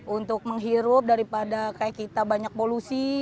untuk menghirup daripada kayak kita banyak polusi